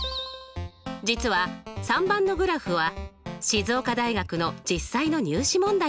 実は３番のグラフは静岡大学の実際の入試問題なんです。